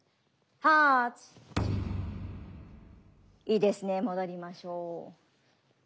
いいですね戻りましょう。